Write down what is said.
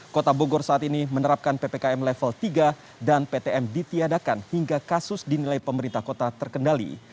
kota bogor saat ini menerapkan ppkm level tiga dan ptm ditiadakan hingga kasus dinilai pemerintah kota terkendali